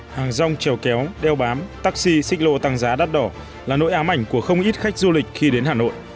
hàng rong trèo kéo đeo bám taxi xích lô tăng giá đắt đỏ là nỗi ám ảnh của không ít khách du lịch khi đến hà nội